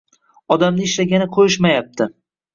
Odamni ishlagani qoʻyishmayapti.